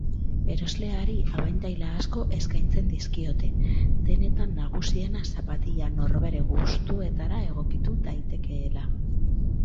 Erosleari abantaila asko eskaintzen dizkiote, denetan nagusiena zapatila norbere gustuetara egokitu daitekeela.